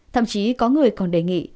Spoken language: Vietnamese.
thậm chí có người còn đề nghị